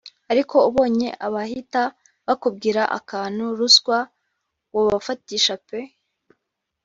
Ariko ubonye abahita bakubwira akantu (ruswa) wabafatisha pe